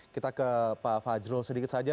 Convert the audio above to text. kita ke pak fajrul sedikit saja